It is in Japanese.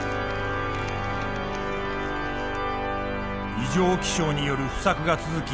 異常気象による不作が続き